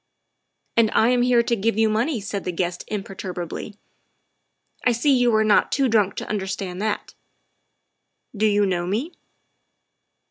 "And I am here to give you money," said the guest imperturbably. '' I see you are not too drunk to under stand that. Do you know me?"